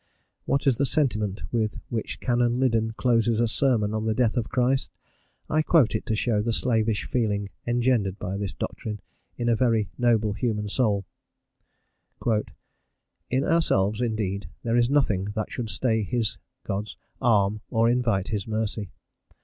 What is the sentiment with which Canon Liddon closes a sermon on the death of Christ? I quote it to show the slavish feeling engendered by this doctrine in a very noble human soul: "In ourselves, indeed, there is nothing that should stay His (God's) arm or invite his mercy.